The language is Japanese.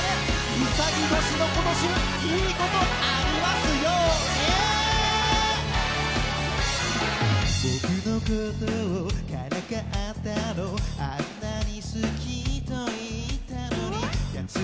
うさぎ年の今年、いいことありますよーに！